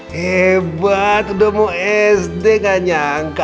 hebat udah mau sd gak nyangka